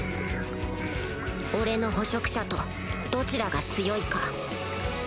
俺の捕食者とどちらが強いか